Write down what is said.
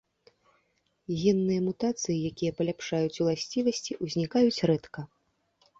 Генныя мутацыі, якія паляпшаюць уласцівасці, узнікаюць рэдка.